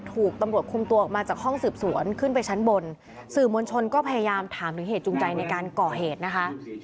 ถูกตำรวจคุมตัวออกมาจากห้องสืบสวนขึ้นไปชั้นบนสื่อมวลชนก็พยายามถามถึงเหตุจูงใจในการก่อเหตุนะคะ